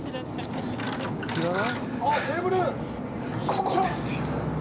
ここですよ。